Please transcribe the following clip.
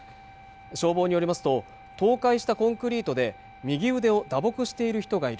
消防によりますと倒壊したコンクリートで右腕を打撲している人がいる